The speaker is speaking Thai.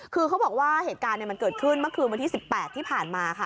คือเขาบอกว่าเหตุการณ์มันเกิดขึ้นเมื่อคืนวันที่๑๘ที่ผ่านมาค่ะ